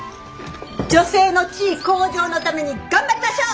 女性の地位向上のために頑張りましょう！